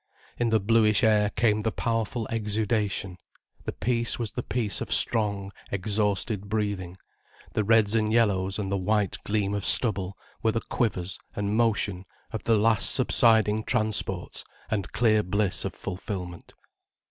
In the bluish air came the powerful exudation, the peace was the peace of strong, exhausted breathing, the reds and yellows and the white gleam of stubble were the quivers and motion of the last subsiding transports and clear bliss of fulfilment.